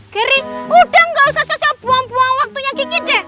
gary udah gak usah sesebuang sebuang waktunya gigit deh